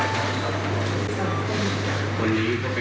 ขอบคุณครับ